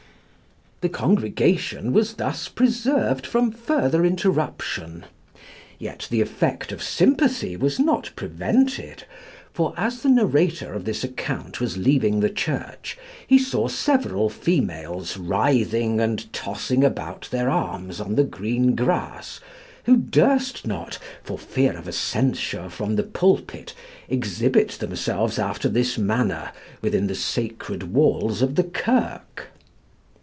The congregation was thus preserved from further interruption; yet the effect of sympathy was not prevented, for as the narrator of the account was leaving the church he saw several females writhing and tossing about their arms on the green grass, who durst not, for fear of a censure from the pulpit, exhibit themselves after this manner within the sacred walls of the kirk.